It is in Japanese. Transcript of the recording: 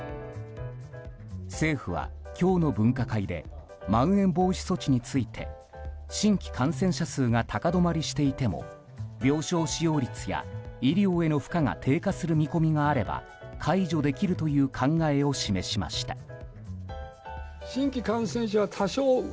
政府は今日の分科会でまん延防止措置について新規感染者数が高止まりしていても病床使用率や医療への負荷が低下する見込みがあれば解除できるという考えを示しました。